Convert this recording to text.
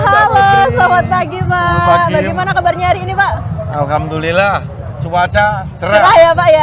halo selamat pagi pak bagaimana kabarnya hari ini pak alhamdulillah cuaca serupa ya pak ya